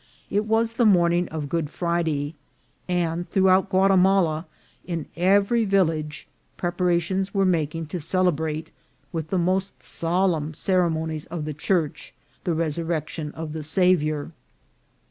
It was the morning of Good Friday ; and throughout Guatimala, in every vil lage, preparations were making to celebrate, with the most solemn ceremonies of the Church, the resurrection of the Saviour.